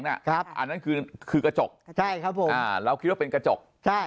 แสงอะอันนั้นคือกระจกเราคิดว่าเป็นกระจก